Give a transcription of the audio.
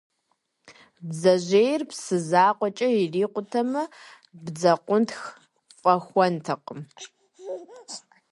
Бдзэжьейр псы закъуэкӏэ ирикъутэмэ бдзэкъунтх фӏэхуэнтэкъым.